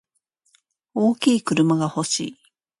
大きい車が欲しい。